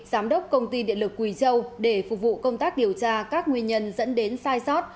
giám đốc công ty điện lực quỳ châu để phục vụ công tác điều tra các nguyên nhân dẫn đến sai sót